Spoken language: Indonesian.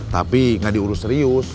tapi gak diurus serius